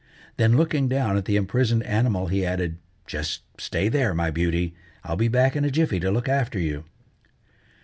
Then looking down at the imprisoned animal, he added: "Just stay there, my beauty; I'll be back in a jiffy to look after you."